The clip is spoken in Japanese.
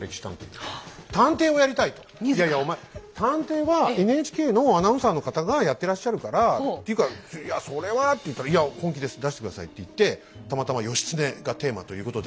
「いやいやお前探偵はＮＨＫのアナウンサーの方がやってらっしゃるからていうかいやそれは」って言ったら「いや本気です出して下さい」って言ってたまたま「義経」がテーマということで。